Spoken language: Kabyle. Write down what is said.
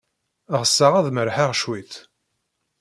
Ɣseɣ ad merrḥeɣ cwiṭ.